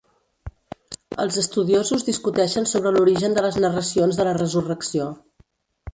Els estudiosos discuteixen sobre l'origen de les narracions de la resurrecció.